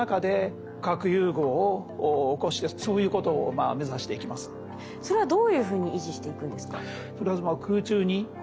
それに対してしかもそれはどういうふうに維持していくんですか？